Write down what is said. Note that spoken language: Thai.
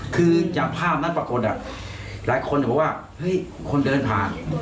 คือจากภาพนั้นปรากฏหลายคนบอกว่าเฮ้ยคนเดินผ่าน